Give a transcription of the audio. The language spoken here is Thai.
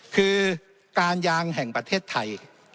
คือการยางแห่งประเทศไทย